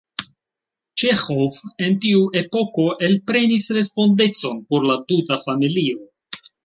Ĉeĥov en tiu epoko elprenis respondecon por la tuta familio.